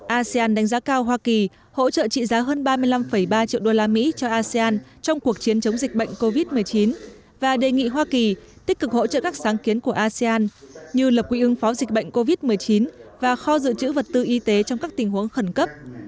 asean đánh giá cao hoa kỳ hỗ trợ trị giá hơn ba mươi năm ba triệu đô la mỹ cho asean trong cuộc chiến chống dịch bệnh covid một mươi chín và đề nghị hoa kỳ tích cực hỗ trợ các sáng kiến của asean như lập quỹ ứng phó dịch bệnh covid một mươi chín và kho dự trữ vật tư y tế trong các tình huống khẩn cấp